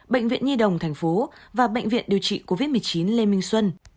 bệnh viện nhi đồng tp và bệnh viện điều trị covid một mươi chín lê minh xuân